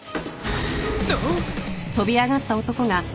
あっ！？